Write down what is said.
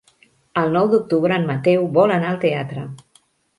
El nou d'octubre en Mateu vol anar al teatre.